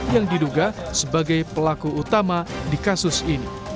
yang diduga sebagai pelaku utama di kasus ini